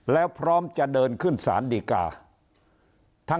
แล้วพร้อมจะเดินขึ้นสารดีกา